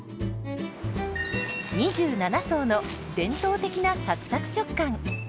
２７層の伝統的なサクサク食感。